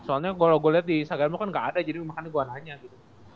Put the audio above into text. soalnya kalo gue liat di instagram lu kan ga ada jadi makanya gue nanya gitu